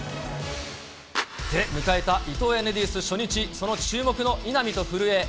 で、迎えた伊藤園レディス初日、その注目の稲見と古江。